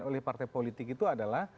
oleh partai politik itu adalah